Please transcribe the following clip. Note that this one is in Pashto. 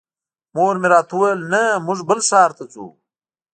مور مې راته وویل نه موږ بل ښار ته ځو.